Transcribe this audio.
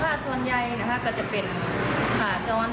เพราะว่าส่วนใยนะครับก็จะเป็นผ่าจ้อน